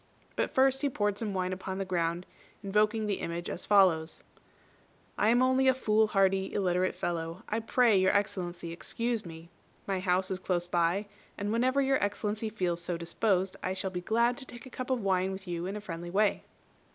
But he first poured some wine upon the ground, invoking the image as follows: "I am only a fool hardy, illiterate fellow: I pray Your Excellency excuse me. My house is close by, and whenever Your Excellency feels so disposed I shall be glad to take a cup of wine with you in a friendly way."